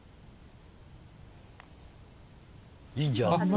いいんじゃ。